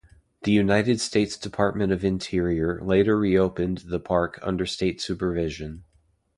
The United States Department of Interior later reopened the park under state supervision.